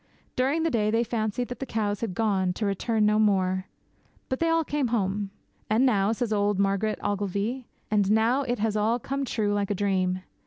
During the day they fancied that the cows had gone, to return no more. But they all came home. 'And now,' says old Margaret Ogilvy, 'and now it has all come true like a dream.